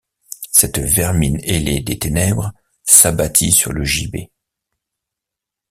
Cette vermine ailée des ténèbres s’abattit sur le gibet.